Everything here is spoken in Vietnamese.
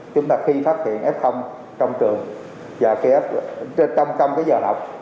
chúng ta khi phát hiện f trong trường và trong giờ học